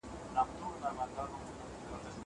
زه بازار ته تللی دی.